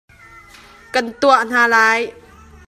Kan tuah hna lai.